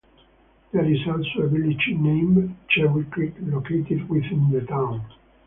There is also a village named Cherry Creek located within the town.